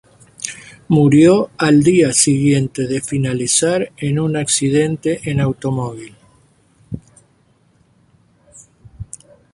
Murió al día siguiente de finalizar en un accidente en automóvil.